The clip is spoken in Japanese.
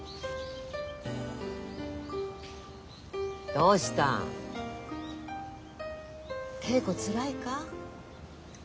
どうした稽古つらいか？